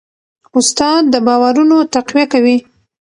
استاد د باورونو تقویه کوي.